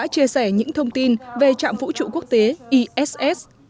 có thông tin về trạm vũ trụ quốc tế iss